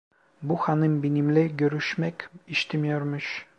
Bu hanım benimle görüşmek istemiyormuş!